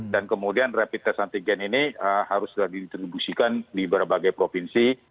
kemudian rapid test antigen ini harus didistribusikan di berbagai provinsi